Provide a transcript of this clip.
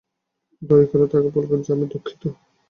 দয়া করে তাকে বলবেন যে আমি দুঃখিত।